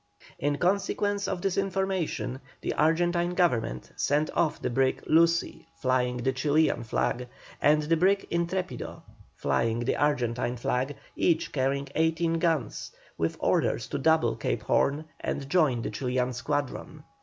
In consequence of this information the Argentine Government sent off the brig Lucy, flying the Chilian flag, and the brig Intrepido, flying the Argentine flag, each carrying 18 guns, with orders to double Cape Horn and join the Chilian squadron.